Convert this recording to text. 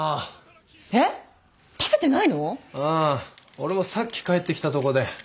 俺もさっき帰ってきたとこで。